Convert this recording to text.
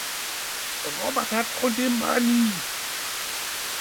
Robert had owed him money.